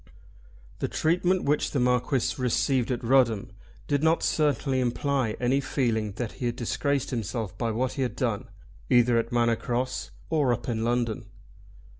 The treatment which the Marquis received at Rudham did not certainly imply any feeling that he had disgraced himself by what he had done either at Manor Cross or up in London.